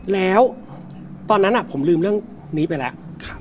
แล้วตอนนั้นผมลืมเรื่องนี้ไปแล้ว